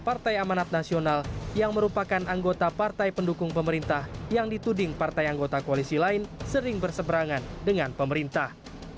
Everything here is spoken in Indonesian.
partai amanat nasional yang merupakan anggota partai pendukung pemerintah yang dituding partai anggota koalisi lain sering berseberangan dengan pemerintah